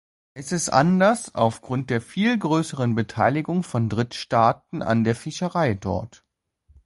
Es ist anders aufgrund der viel größeren Beteiligung von Drittstaaten an der Fischerei dort.